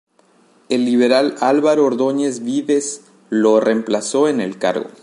El liberal Alvaro Ordóñez Vives lo remplazó en el cargo.